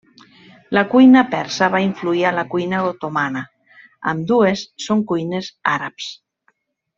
La cuina persa va influir a la cuina otomana, ambdues són cuines àrabs.